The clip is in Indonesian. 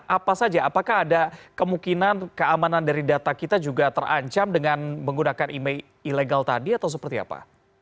apa saja apakah ada kemungkinan keamanan dari data kita juga terancam dengan menggunakan email ilegal tadi atau seperti apa